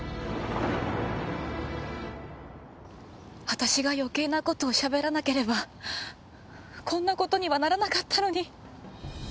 私が余計な事をしゃべらなければこんな事にはならなかったのに。